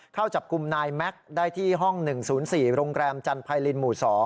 เข้าจับกลุ่มนายแม็กซ์ได้ที่ห้อง๑๐๔โรงแรมจันไพรินหมู่๒